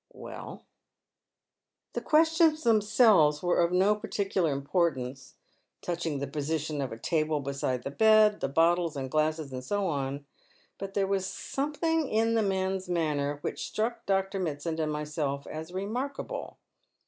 " Well ?''" The questions themselves were of no particular importance — touching the position of a table beside the bed, the bottles and glasses, and so on. But there was something in the man's manner which struck Dr. Mitsand and myself as remarkable.